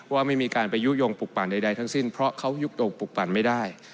ว่าไม่มีการไปยุโยงปลูกปั่นใดทั้งสิ้นเพราะเขายุบโด่งปลูกปั่นไม่ได้